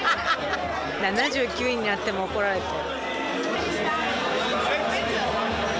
７９になっても怒られてる。